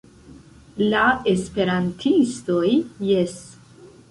La esperantistoj jes.